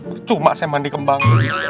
bercuma saya mandi kembang